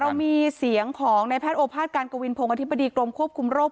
เรามีเสียงของในแพทย์โอภาษการกวินพงศ์อธิบดีกรมควบคุมโรค